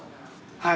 はい。